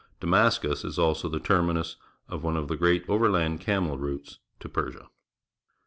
Damascus is also the terminus of one of the great over land camel routes to Persia.